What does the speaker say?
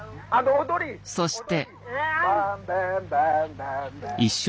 そして。